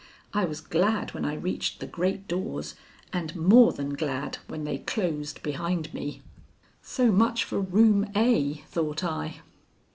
I was glad when I reached the great doors and more than glad when they closed behind me. "So much for Room A," thought I.